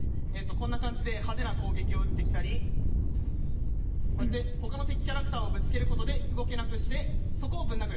こんな感じで派手な攻撃を撃ってきたりこうやって他の敵キャラクターをぶつけることで動けなくしてそこをぶん殴る。